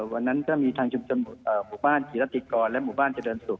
วันนั้นก็มีทางชุมชนหมู่บ้านกีรติกรและหมู่บ้านเจริญศุกร์